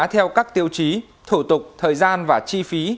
theo các tiêu chí thủ tục thời gian và chi phí